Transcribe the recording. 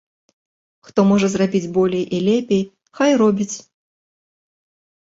Хто можа зрабіць болей і лепей, хай робіць.